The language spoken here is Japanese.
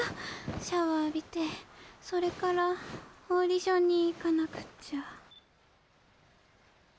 シャワーあびてそれからオーディションにいかなくちゃ。